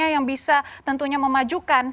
yang bisa tentunya memajukan